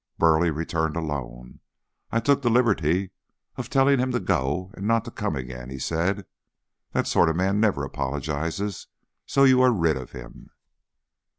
Burleigh returned alone. "I took the liberty of telling him to go and not to come again," he said. "That sort of man never apologizes, so you are rid of him."